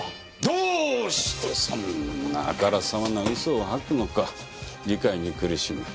どうしてそんなあからさまな嘘を吐くのか理解に苦しむ。